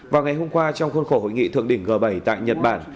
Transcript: vào ngày hôm qua trong khuôn khổ hội nghị thượng đỉnh g bảy tại nhật bản